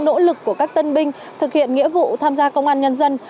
nỗ lực của các tân binh thực hiện nghĩa vụ tham gia công an nhân dân